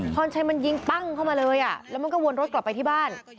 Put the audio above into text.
พรชัยมันยิงปั้งเข้ามาเลยแล้วมันก็วนรถกลับไปที่บ้าน